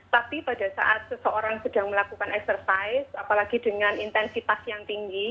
tapi pada saat seseorang sedang melakukan eksersis apalagi dengan intensitas yang tinggi